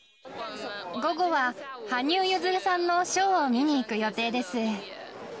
午後は羽生結弦さんのショーを見に行く予定です。